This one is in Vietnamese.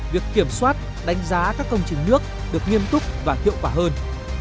việc kiểm soát đánh giá các công trình nước được nghiêm túc và hiệu quả hơn